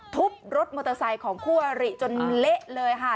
ทุบรถมอเตอร์ไซค์ของคู่อริจนเละเลยค่ะ